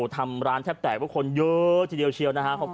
ทำร้านแทบแตกเพราะคนเยอะทีเดียวเชียว